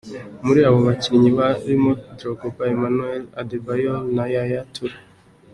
Muri abo bakinnyi harimo: Drogba, Emmanuel Adebayor na yaya Touré.